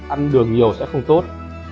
ăn đường nhiều sẽ không tốt